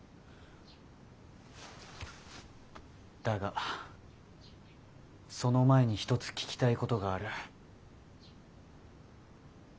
だがその前に一つ聞きたいことがある。